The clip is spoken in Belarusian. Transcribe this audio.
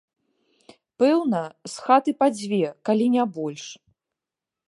Пэўна, з хаты па дзве, калі не больш.